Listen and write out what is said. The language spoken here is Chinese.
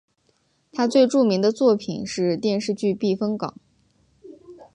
他最著名的作品是电视剧避风港。